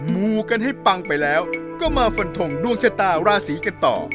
มูกันให้ปังไปแล้วก็มาฟันทงดวงชะตาราศีกันต่อ